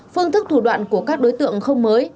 phương thức thủ đoạn của các đối tượng không mới